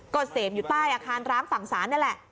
ก็เสพอยู่ใต้อาคารร้างฝั่งศาลนี่แหละ